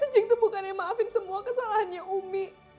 cing tuh bukan yang maafin semua kesalahannya umi